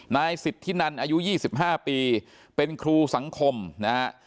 นายสิทธินันอายุ๒๕ปีเป็นครูสังคมนะฮะ